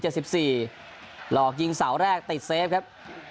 หลอกยิงเสาแรกติดเซฟครับ